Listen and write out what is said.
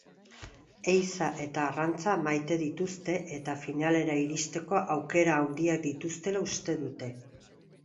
Ehiza eta arrantza maite dituzte eta finalera iristeko aukera handiak dituztela uste dute.